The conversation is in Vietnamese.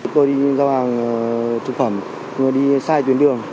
tôi đi giao hàng thực phẩm tôi đi sai tuyến đường